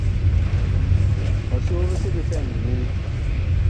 Ɔsoo vi seɓe pɛ nɛŋɛɛ.